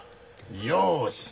よし。